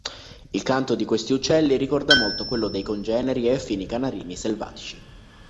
Il canto di questi uccelli ricorda molto quello dei congeneri e affini canarini selvatici.